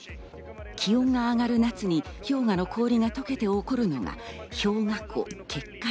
気温が上がる夏に氷河の氷が溶けて起こるのが氷河湖結界